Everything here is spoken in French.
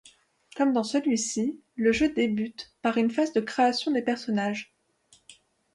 Comme dans celui-ci, le jeu débute par une phase de création des personnages.